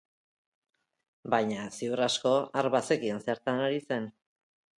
Baina, ziur asko, hark bazekien zertan ari zen.